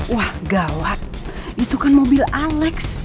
wah gawat itu kan mobil alex